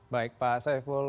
baik pak saiful